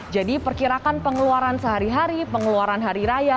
jadi perkirakan pengeluaran sehari hari pengeluaran hari raya